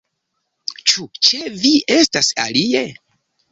Ĉu ĉe vi estas alie?